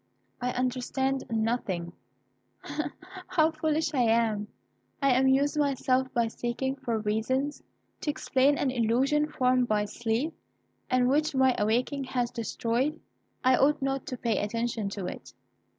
I understand nothing; but how foolish I am! I amuse myself by seeking for reasons to explain an illusion formed by sleep, and which my waking has destroyed. I ought not to pay attention to it.